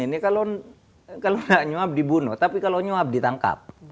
ini kalau tidak nyuap dibunuh tapi kalau nyuap ditangkap